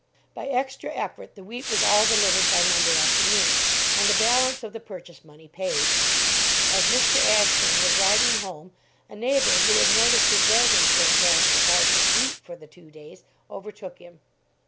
By extra effort, the wheat was all delivered by Monday afternoon, and the balance of the purchase money paid. As Mr. Ashburn was riding home, a neighbour who had noticed his wagons going past his house with wheat for the two days, overtook him.